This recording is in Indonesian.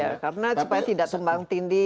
ya karena supaya tidak sembang tindi